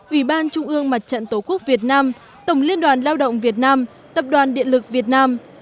ủy ban trung ương mặt trận tổ quốc việt nam tổng liên đoàn lao động việt nam tập đoàn điện lực việt nam